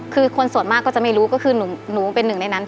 คือคนส่วนมากก็จะไม่รู้ก็คือหนูเป็นหนึ่งในนั้น